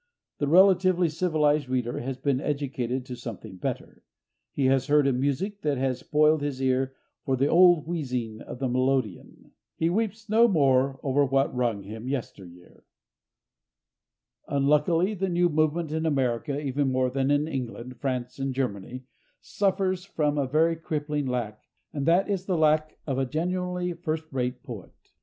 The relatively civilized reader has been educated to something better. He has heard a music that has spoiled his ear for the old wheezing of the melodeon. He weeps no more over what wrung him yesteryear. Unluckily, the new movement, in America even more than in England, France and Germany, suffers from a very crippling lack, and that is the lack of a genuinely first rate poet.